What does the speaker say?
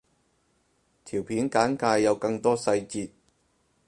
條片簡介有更多細節